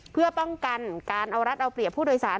เพื่อป้องกันการเอารัฐเอาเปรียบผู้โดยสาร